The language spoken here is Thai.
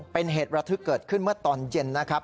เป็นเหตุระทึกเกิดขึ้นเมื่อตอนเย็นนะครับ